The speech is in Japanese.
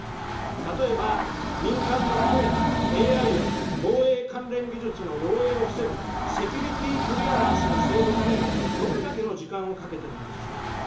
例えば、民間も含めたＡＩや防衛関連技術の漏えいを防ぐセキュリティ・クリアランスの制度化にどれだけの時間をかけているのでしょうか。